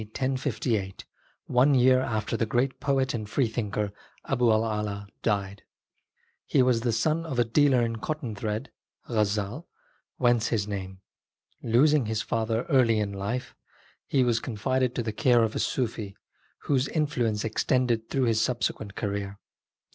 d. 1058, one year after the great poet and freethinker Abu' 1' Ala died. He was the son of a dealer in cotton thread (Gazzal), whence his name. Losing his father in early life, he was confided to the care of a Sufi, whose in fluence extended through his subsequent career.